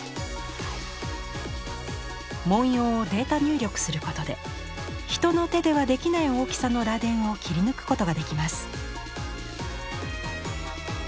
文様をデータ入力することで人の手ではできない大きさの螺鈿を切り抜くことができます。